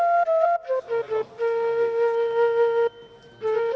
untuk memiliki akhirnya